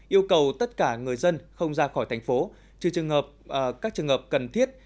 yêu cầu tất cả người dân không ra khỏi thành phố trừ trường hợp các trường hợp cần thiết